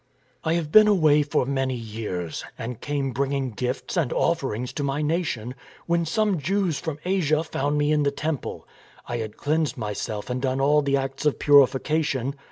" I have been away for many years, and came bringing gifts and offerings to my nation, when some Jews from Asia found me in the Temple. I had cleansed myself and done all the acts of purification.